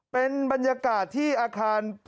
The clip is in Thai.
เป็นบรรยากาศที่อาคาร